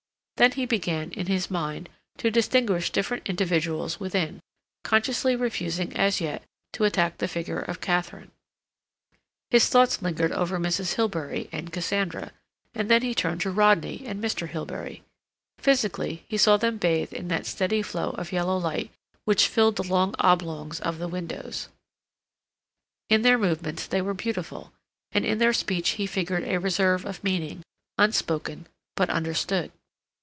Then he began, in his mind, to distinguish different individuals within, consciously refusing as yet to attack the figure of Katharine. His thoughts lingered over Mrs. Hilbery and Cassandra; and then he turned to Rodney and Mr. Hilbery. Physically, he saw them bathed in that steady flow of yellow light which filled the long oblongs of the windows; in their movements they were beautiful; and in their speech he figured a reserve of meaning, unspoken, but understood.